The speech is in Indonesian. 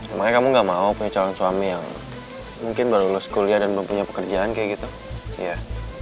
emangnya kamu gak mau punya calon suami yang mungkin baru lulus kuliah dan belum punya pekerjaan kayak gitu ya